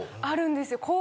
あるんですよ。